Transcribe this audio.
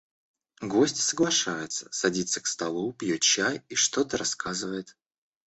Гость соглашается, садится к столу, пьет чай и что-то рассказывает.